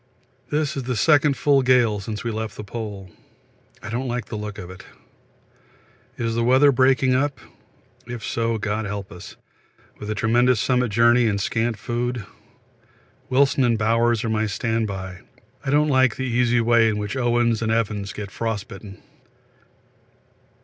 This is the second full gale since we left the Pole. I don't like the look of it. Is the weather breaking up? If so, God help us, with the tremendous summit journey and scant food. Wilson and Bowers are my standby. I don't like the easy way in which Oates and Evans get frostbitten.